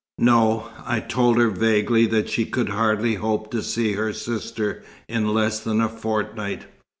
"No. I told her vaguely that she could hardly hope to see her sister in less than a fortnight.